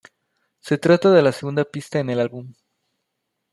Se trata de la segunda pista en el álbum.